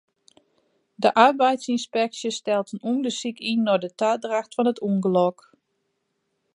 De arbeidsynspeksje stelt in ûndersyk yn nei de tadracht fan it ûngelok.